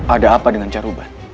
ada apa dengan caruban